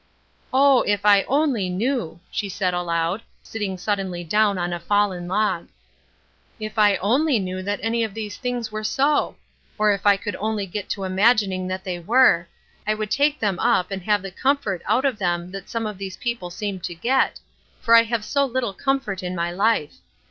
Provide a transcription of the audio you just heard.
"Oh, if I only knew," she said aloud, sitting suddenly down on a fallen log, "if I only knew that any of these things were so! or if I could only get to imagining that they were, I would take them up and have the comfort out of them that some of these people seem to get, for I have so little comfort in my life.